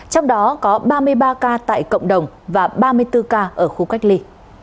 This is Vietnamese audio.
trong đó có ba mươi ba ca tại cộng đồng và ba mươi bốn ca ở khu cách ly